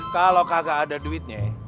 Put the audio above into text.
kalo kagak ada duitnya